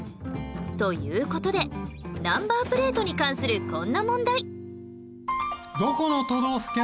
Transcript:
という事でナンバープレートに関するこんな問題